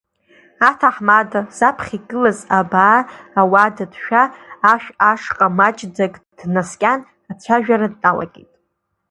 Аҭаҳмада, заԥхьа игылаз абаа ауада ҭшәа ашә ашҟа маҷӡак днаскьан, ацәажәара дналагеит…